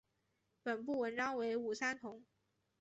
本部纹章为五三桐。